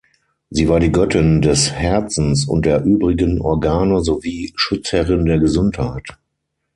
Sie war die Göttin des Herzens und der übrigen Organe sowie Schutzherrin der Gesundheit.